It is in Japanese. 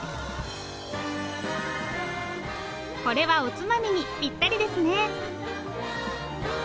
これはおつまみにぴったりですね！